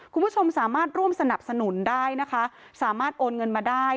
คุณผู้ชมสามารถร่วมสนับสนุนได้นะคะสามารถโอนเงินมาได้